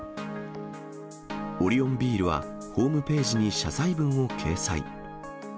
オリオンビールはホームページに謝罪文を掲載。